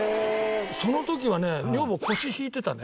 その時はね女房腰引いてたね。